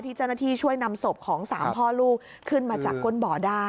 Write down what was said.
ที่เจ้าหน้าที่ช่วยนำศพของสามพ่อลูกขึ้นมาจากก้นเบาะดาล